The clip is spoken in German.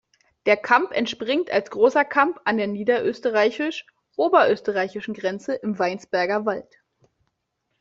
Der Kamp entspringt als "Großer Kamp" an der niederösterreichisch-oberösterreichischen Grenze im Weinsberger Wald.